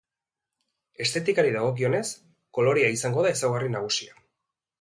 Estetikari dagokionez, kolorea izango da ezaugarri nagusia.